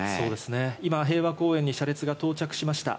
今、平和公園に車列が到着しました。